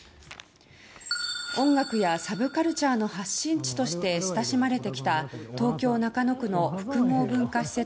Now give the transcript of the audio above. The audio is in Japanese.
音楽やサブカルチャーの発信地として親しまれてきた東京・中野区の複合文化施設